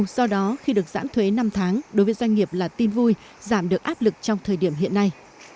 do đó khi được giãn thuế năm tháng đối với doanh nghiệp là tin vui giảm được áp lực trong thời điểm hiện nay